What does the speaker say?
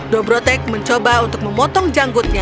dobrotek mencoba untuk memotong janggutnya